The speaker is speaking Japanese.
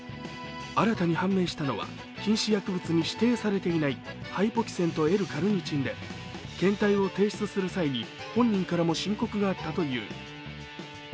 新たに判明したのは禁止薬物に指定されていないハイポキセンとＬ−カルニチンで、検体を提出する際に本人からも申告があったという。